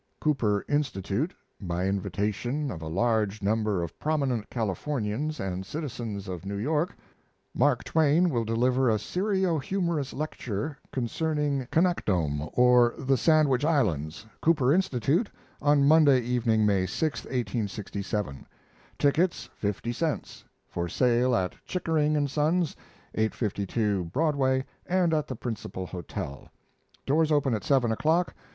] COOPER INSTITUTE By Invitation of s large number of prominent Californians and Citizens of New York, MARK TWAIN WILL DELIVER A SERIO HUMEROUS LECTURE CONERNING KANAKDOM OR THE SANDWICH ISLANDS, COOPER INSTITUTE, On Monday Evening, May 6,1867. TICKETS FIFTY GENTS. For Sale at Chickering and Sons, 852 Broadway, and at the Principal Hotel Doors open at 7 o'clock.